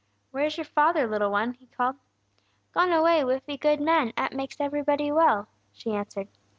"Where is your father, little one?" he called. "Gone away wiv 'e good man 'at makes everybody well," she answered.